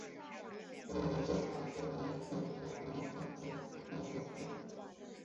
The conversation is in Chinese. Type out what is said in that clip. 他还是财政部一等金质奖章和农商部一等奖章的获得者。